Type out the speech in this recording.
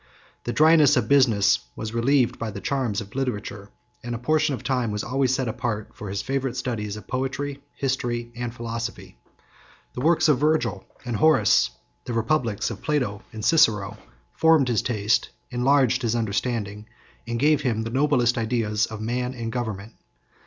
The dryness of business was relieved by the charms of literature; and a portion of time was always set apart for his favorite studies of poetry, history, and philosophy. The works of Virgil and Horace, the republics of Plato and Cicero, formed his taste, enlarged his understanding, and gave him the noblest ideas of man and government.